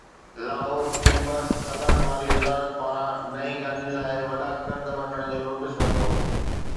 Lahore chamber صنعت واري وزارت پاران نئين گاڏين لاءِ وڏا قرض وٺڻ جو نوٽيس ورتو